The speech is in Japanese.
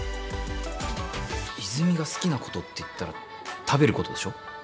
泉が好きなことって言ったら食べることでしょ？